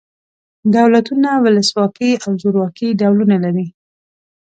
دولتونه ولس واکي او زورواکي ډولونه لري.